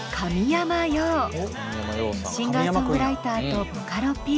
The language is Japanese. シンガーソングライターとボカロＰ。